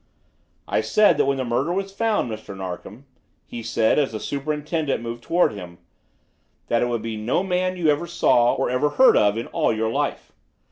"I said that when the murderer was found, Mr. Narkom," he said as the superintendent moved toward him, "it would be no man you ever saw or ever heard of in all your life.